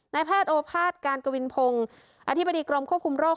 แพทย์โอภาษย์การกวินพงศ์อธิบดีกรมควบคุมโรค